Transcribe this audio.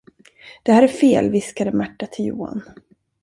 Det här är fel, viskade Märta till Johan.